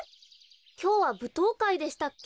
きょうはぶとうかいでしたっけ？